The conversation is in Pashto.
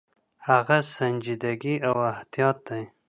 هغه سنجیدګي او احتیاط دی.